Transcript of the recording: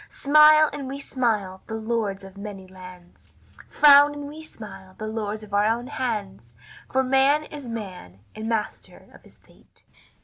Smile, and we smile, the lords of many lands; Frown, and we smile, the lords of our own hands, For man is man, and master of his fate."